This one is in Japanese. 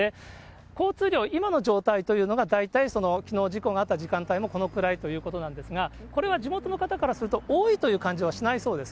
交通量、今の状態というのが大体、きのう事故があった時間帯もこのくらいということなんですが、これは地元の方からすると、多いという感じはしないそうです。